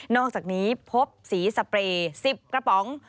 อกจากนี้พบสีสเปรย์๑๐กระป๋อง